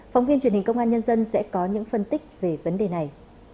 phóng viên truyền hình công an nhân dân sẽ có những phân tích về vấn đề này